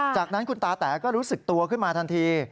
จากนั้นคุณตาแต๋ก็รู้สึกตัวขึ้นมาทันที